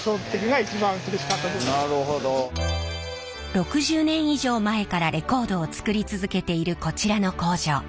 ６０年以上前からレコードを作り続けているこちらの工場。